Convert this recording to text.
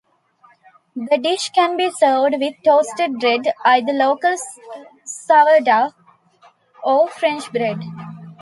The dish can be served with toasted bread, either local sourdough or French bread.